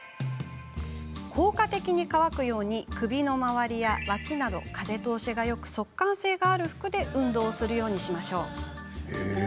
効果的に乾くように首周りや脇など風通しがよく、速乾性がある服で運動しましょう。